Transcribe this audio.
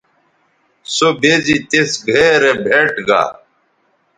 سو بے زی تِس گھئے رے بھئیٹ گا